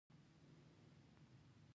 هغه وویل زما په نظر ایټالیا به دا جګړه وګټي.